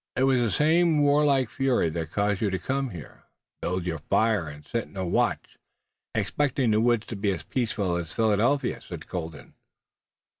"It was the same warlike fury that caused you to come here, build your fire and set no watch, expecting the woods to be as peaceful as Philadelphia?" said Colden.